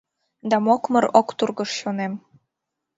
Да мокмыр ок тургыж чонем.